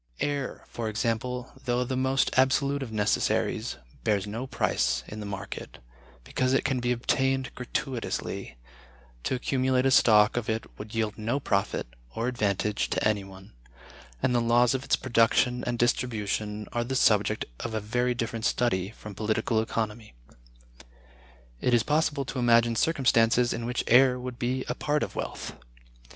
Air, for example, though the most absolute of necessaries, bears no price in the market, because it can be obtained gratuitously; to accumulate a stock of it would yield no profit or advantage to any one; and the laws of its production and distribution are the subject of a very different study from Political Economy. It is possible to imagine circumstances in which air would be a part of wealth.